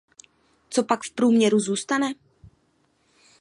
Co pak v průměru zůstane?